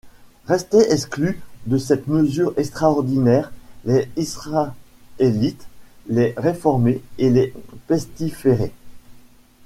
Restaient exclus de cette mesure extraordinaire les Israélites, les Réformés et les pestiférés.